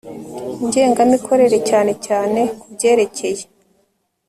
ngengamikorere cyane cyane ku byerekeye